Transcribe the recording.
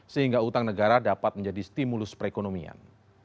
sehingga utang negara dapat menjadi stimulus perekonomian